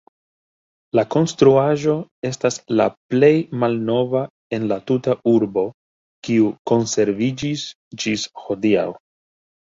La konstruaĵo estas la plej malnova en la tuta urbo, kiu konserviĝis ĝis hodiaŭ.